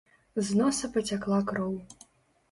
З носа пацякла кроў.